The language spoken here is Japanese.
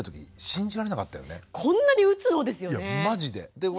こんなに打つの？ですよね。